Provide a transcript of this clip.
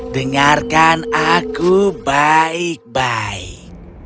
dengarkan aku baik baik